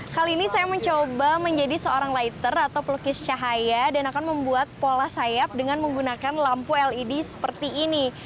kali ini saya mencoba menjadi seorang lighter atau pelukis cahaya dan akan membuat pola sayap dengan menggunakan lampu led seperti ini